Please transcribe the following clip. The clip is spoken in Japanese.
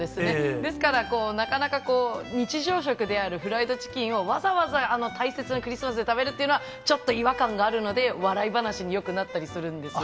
ですから、なかなかこう、日常食であるフライドチキンをわざわざ大切なクリスマスで食べるというのは、ちょっと違和感があるので、笑い話によくなったりするんですよ。